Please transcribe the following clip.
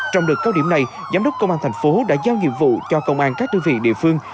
trong đợt cao điểm này giám đốc công an thành phố đã giao nhiệm vụ cho công an các đơn vị địa phương